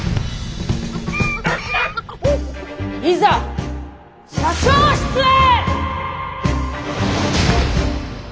いざ社長室へ！